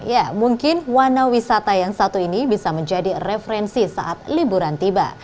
ya mungkin warna wisata yang satu ini bisa menjadi referensi saat liburan tiba